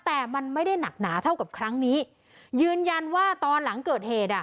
แต่มันไม่ได้หนักหนาเท่ากับครั้งนี้ยืนยันว่าตอนหลังเกิดเหตุอ่ะ